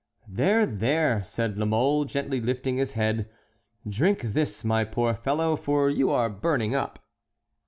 "There, there!" said La Mole, gently lifting his head; "drink this, my poor fellow, for you are burning up."